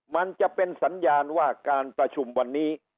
มันจะเป็นสัญญาณว่าการประชุมวันนี้